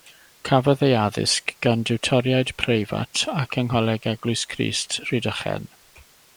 Cafodd ei addysg gan diwtoriaid preifat ac yng Ngholeg Eglwys Crist, Rhydychen.